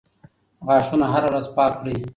غاښونه هره ورځ پاک کړئ.